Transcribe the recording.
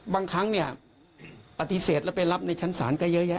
บางครั้งเนี่ยปฏิเสธแล้วไปรับในชั้นศาลก็เยอะแยะ